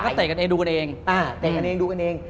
แล้วก็เตะกันเองดูกันเอง